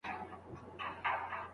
زوی په هغه بازار کي ساعت خرڅ نه کړ.